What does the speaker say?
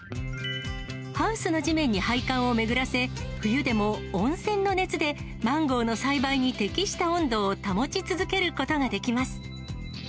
ハウスの地面に配管を巡らせ、冬でも温泉の熱でマンゴーの栽培に適した温度を保ち続けることができます。